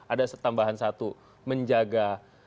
ada tambahan satu menjaga